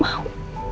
mama gak mau